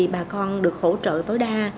bà con được hỗ trợ tối đa